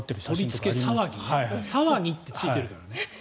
取り付け騒ぎ騒ぎってついてるからね。